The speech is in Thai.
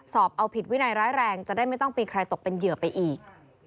สอบเอาผิดวินัยร้ายแรงจะได้ไม่ต้องมีใครตกเป็นเหยื่อไปอีก